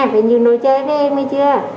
vậy nhiều nồi chơi với em hay chưa